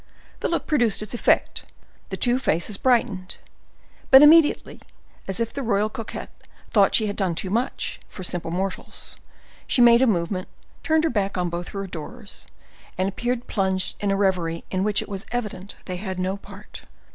The look produced its effect—the two faces brightened; but immediately, as if the royal coquette thought she had done too much for simple mortals, she made a movement, turned her back on both her adorers, and appeared plunged in a reverie in which it was evident they had no part.